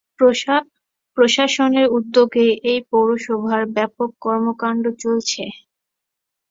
প্রশাসনের উদ্যোগে এই পৌরসভার ব্যাপক কর্মকাণ্ড চলছে।